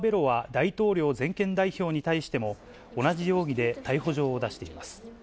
大統領全権代表に対しても、同じ容疑で逮捕状を出しています。